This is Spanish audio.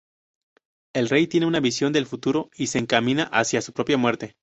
El rey tiene una visión del futuro y se encamina hacia su propia muerte.